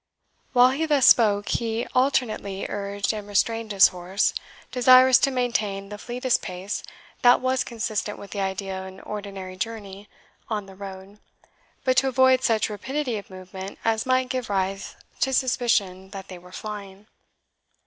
While he thus spoke, he alternately urged and restrained his horse, desirous to maintain the fleetest pace that was consistent with the idea of an ordinary journey on the road, but to avoid such rapidity of movement as might give rise to suspicion that they were flying.